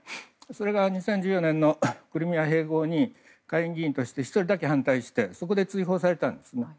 それが２０１４年のクリミア併合に下院議員として１人だけ反対してそこで追放されたんですね。